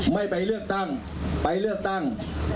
ไม่ไปเลือกตั้ง